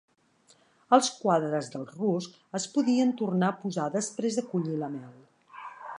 Els quadres del rusc es podien tornar a posar després de collir la mel.